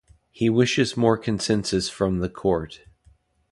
He wishes more consensus from the Court.